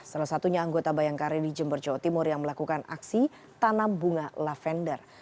salah satunya anggota bayangkari di jember jawa timur yang melakukan aksi tanam bunga lavender